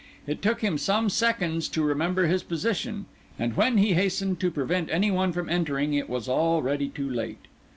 It took him some seconds to remember his position; and when he hastened to prevent anyone from entering it was already too late.